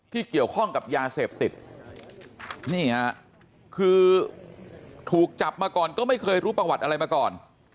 เกี่ยวข้องกับยาเสพติดนี่ฮะคือถูกจับมาก่อนก็ไม่เคยรู้ประวัติอะไรมาก่อน